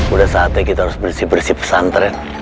udah saatnya kita harus bersih bersih pesantren